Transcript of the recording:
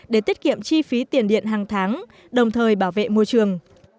để tiết kiệm chi phí tiền điện hàng tháng đồng thời bảo vệ môi trường